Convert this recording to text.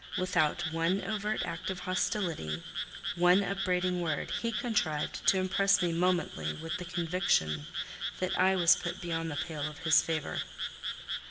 Without one overt act of hostility, one upbraiding word, he contrived to impress me momently with the conviction that I was put beyond the pale of his favour.